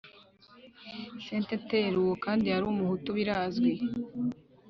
senteteri uwo kandi yari umuhutu birazwi.